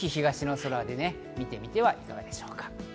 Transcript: ８時前後、ぜひ東の空で見てみてはいかがでしょうか。